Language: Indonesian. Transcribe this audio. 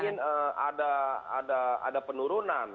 kita ingin ada penurunan